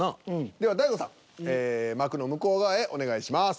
では大悟さん幕の向こう側へお願いします。